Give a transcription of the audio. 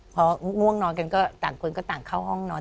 พอง่วงนอนกันก็ต่างคนก็ต่างเข้าห้องนอน